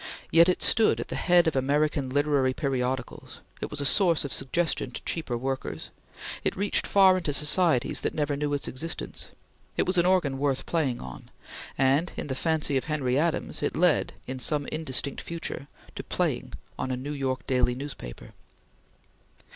Yet it stood at the head of American literary periodicals; it was a source of suggestion to cheaper workers; it reached far into societies that never knew its existence; it was an organ worth playing on; and, in the fancy of Henry Adams, it led, in some indistinct future, to playing on a New York daily newspaper.